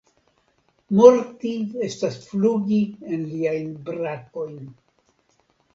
Morti estas flugi en liajn brakojn.